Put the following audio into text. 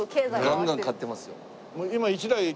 ガンガン買ってますよ。